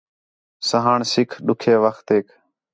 سہاݨ سُکھ ݙُکّھے وختیک